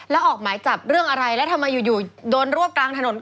แล้วออกหมายจับเรื่องอะไรแล้วทำไมอยู่โดนรวบกลางถนน